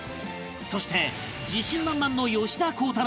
そして自信満々の吉田鋼太郎